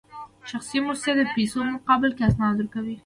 شخصي موسسې د پیسو په مقابل کې اسناد ورکوي